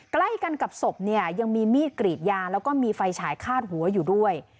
ใกล้กันกับศพเนี่ยยังมีมีดกรีดยาแล้วก็มีไฟฉายคาดหัวอยู่ด้วย